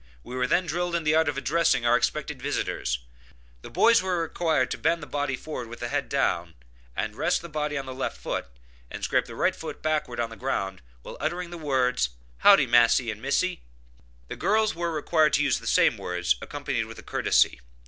We were then drilled in the art of addressing our expected visitors. The boys were required to bend the body forward with head down, and rest the body on the left foot, and scrape the right foot backward on the ground, while uttering the words, "how dy Massie and Missie." The girls were required to use the same words, accompanied with a courtesy.